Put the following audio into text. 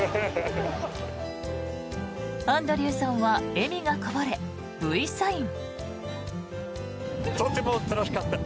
アンドリューさんは笑みがこぼれＶサイン。